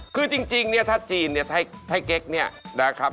คือจริงถ้าจีนถ้าเก๊กนี่นะครับ